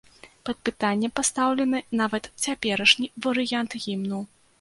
Пад пытанне пастаўлены нават цяперашні варыянт гімну.